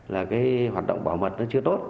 là cái hoạt động bảo mật nó chưa tốt